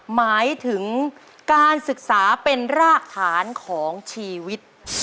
หมายถึงการศึกษาเป็นรากฐานของชีวิต